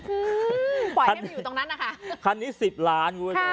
ไหวไปให้มันอยู่ตรงนั้นนะคะคันนี้สิบล้าน